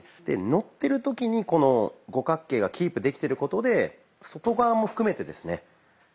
でのってる時にこの五角形がキープできてることで外側も含めてですね